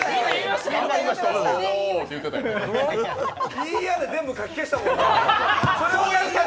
「いや」で、全部かき消したもん。